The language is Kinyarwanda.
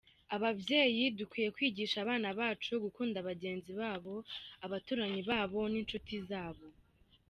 Ababyeyi dukwiye kwigisha abana bacu gukunda bagenzi babo, abaturanyi babo n’inshuti zabo.